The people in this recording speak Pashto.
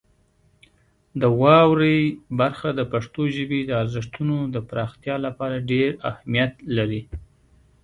د واورئ برخه د پښتو ژبې د ارزښتونو د پراختیا لپاره ډېر اهمیت لري.